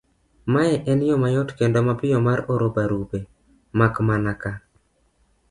Mae en yo mayot kendo mapiyo mar oro barupe, mak mana ka